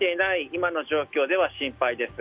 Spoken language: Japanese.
今の状況では心配です。